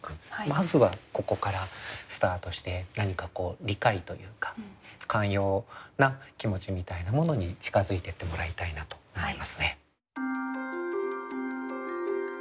まずはここからスタートして何かこう理解というか寛容な気持ちみたいなものに近づいていってもらいたいなと思いますね。